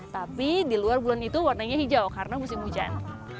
tapi di luar bulan itu warnanya hijau karena musim hujan